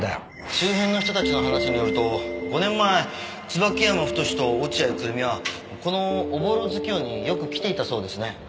周辺の人たちの話によると５年前椿山太と落合久瑠実はこのおぼろ月夜によく来ていたそうですね。